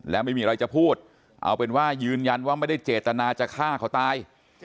และไม่มีอะไรจะพูดเอาเป็นว่ายืนยันว่าไม่ได้เจตนาจะฆ่าเขาตาย